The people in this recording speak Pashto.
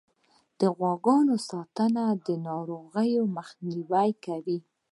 د غواګانو ساتنه د ناروغیو مخنیوی کوي.